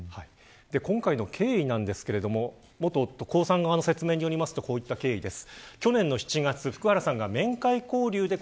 今回の経緯なんですが元夫、江さん側の説明によるとこういった形です。